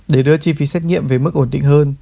để đưa chi phí xét nghiệm về mức ổn định hơn